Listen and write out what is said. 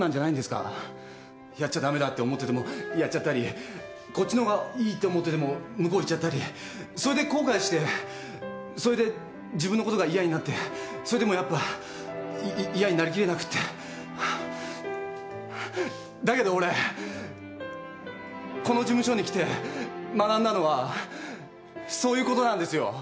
やっちゃダメだって思っててもやっちゃったりこっちのほうがいいって思ってても向こう行っちゃったりそれで後悔してそれで自分のことが嫌になってそれでもやっぱ嫌になりきれなくてだけど俺この事務所に来て学んだのはそういうことなんですよ。